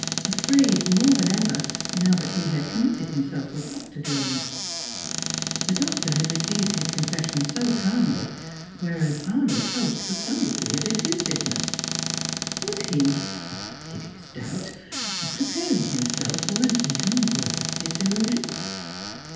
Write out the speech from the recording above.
Afraid more than ever, now that he had committed himself with Dr. Derwent. The Doctor had received his confession so calmly, whereas Arnold hoped for some degree of effusiveness. Was he hideous doubt preparing himself for an even worse disillusion?